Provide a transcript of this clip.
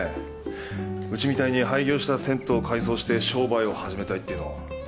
うちみたいに廃業した銭湯を改装して商売を始めたいっていうの。